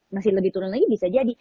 masih lebih turun lagi bisa jadi